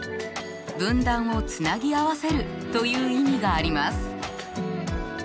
分断をつなぎ合わせるという意味があります。